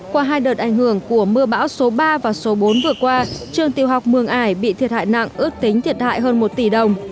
qua hai đợt ảnh hưởng của mưa bão số ba và số bốn vừa qua trường tiểu học mường ải bị thiệt hại nặng ước tính thiệt hại hơn một tỷ đồng